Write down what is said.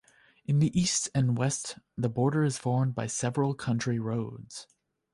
In the east and west the border is formed by several country roads.